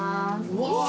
うわ。